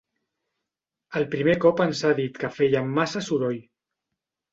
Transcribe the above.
El primer cop ens ha dit que fèiem massa soroll.